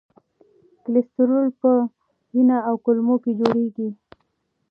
کلسترول په ینه او کولمو کې جوړېږي.